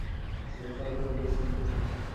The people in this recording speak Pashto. صدقه ورکول رزق نه کموي.